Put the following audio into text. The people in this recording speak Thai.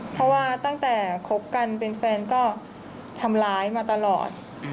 เพราะว่าตั้งแต่คบกันเป็นแฟนก็ทำร้ายมาตลอด